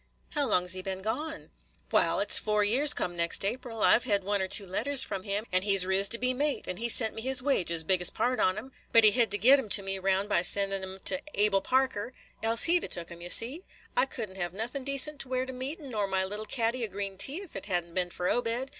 "How long 's he been gone?" "Wal, it 's four years come next April. I 've hed one or two letters from him, and he 's ris' to be mate. And he sent me his wages, – biggest part on 'em, – but he hed to git 'em to me round by sendin on 'em to Ebal Parker; else he 'd a took 'em, ye see. I could n't have nothin' decent to wear to meetin', nor my little caddy o' green tea, if it had n't been for Obed.